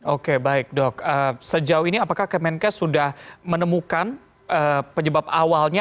oke baik dok sejauh ini apakah kemenkes sudah menemukan penyebab awalnya